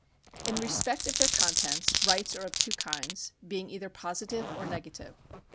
In respect of their contents, rights are of two kinds, being either positive or negative.